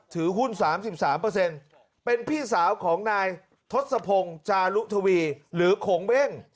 ถือหุ้น๓๓เป็นพี่สาวของนายทศพลจารุทวีหรือโขงเบ้ง